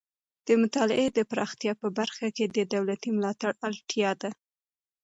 د مطالعې د پراختیا په برخه کې د دولتي ملاتړ اړتیا ده.